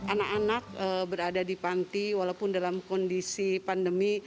anak anak berada di panti walaupun dalam kondisi pandemi